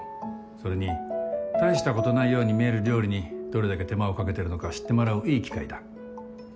それに大したことないように見える料理にどれだけ手間をかけてるのか知ってもらういい機会だ。